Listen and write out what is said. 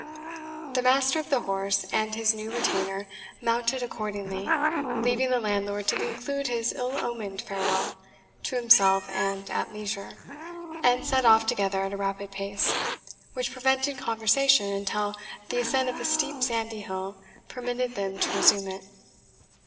The master of the horse and his new retainer mounted accordingly, leaving the landlord to conclude his ill omened farewell, to himself and at leisure; and set off together at a rapid pace, which prevented conversation until the ascent of a steep sandy hill permitted them to resume it.